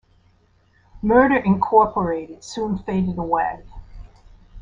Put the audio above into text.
Murder, Incorporated soon faded away.